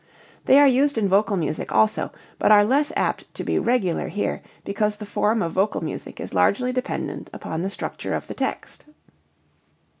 They are used in vocal music also, but are less apt to be regular here because the form of vocal music is largely dependent upon the structure of the text.